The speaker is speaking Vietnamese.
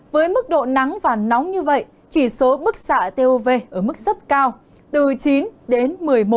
với mức độ nắng và nóng như vậy chỉ số bức xạ tov ở mức rất cao từ chín đến một mươi một